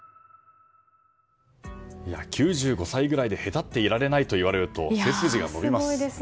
９５歳ぐらいでへたっていられないと言われると背筋が伸びます。